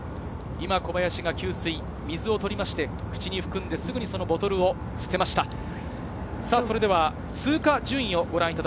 今、小林が吸水、水をとりまして、口に含んですぐにそのボトルを捨てました。